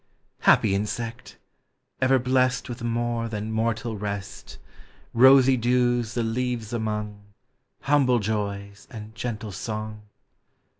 Happy insect! ever blest With a more than mortal rest. Rosy dews the leaves among. Humble joys, and gentle song!